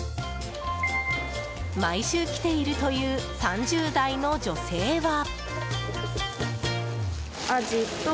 毎週、来ているという３０代の女性は。